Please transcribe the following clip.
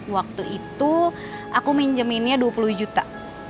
waktu itu aku minjeminnya dua puluh juta